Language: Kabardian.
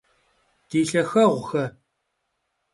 Di lhaxeğuxe!